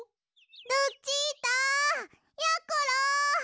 ルチータやころ！